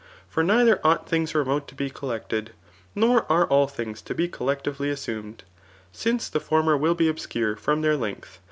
For neither ought things remote to be collected, nor are all things to be collectively assumed i since the former will be obscure from their, length j